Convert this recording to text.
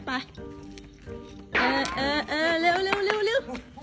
เออเออเออเร็วเร็วเร็ว